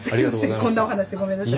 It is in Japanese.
こんなお話でごめんなさい。